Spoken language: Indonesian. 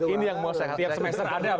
ini yang mau setiap semester ada begitu ya